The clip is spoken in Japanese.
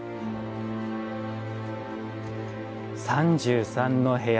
３３の部屋